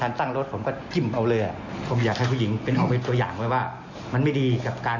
ผมกลัวโดนจับต้องหากทางหนึ่งซ้ำไปครับ